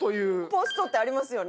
ポストってありますよね？